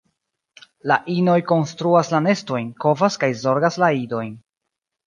La inoj konstruas la nestojn, kovas kaj zorgas la idojn.